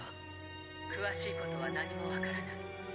「詳しいことは何も分からない。